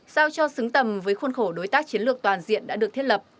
sao cho xứng tầm với khuôn khổ đối tác chiến lược toàn diện đã được thiết lập